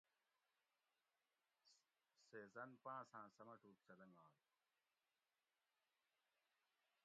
سیزن پاۤنساں سمٹوگ سہ لنگائے